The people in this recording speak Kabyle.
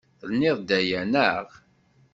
Tenniḍ-d aya, naɣ?